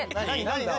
何？